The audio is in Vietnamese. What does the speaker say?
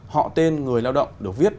họ tên người lao động được viết